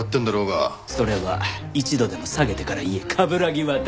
それは一度でも下げてから言え冠城亘！